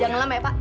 jangan lama ya pak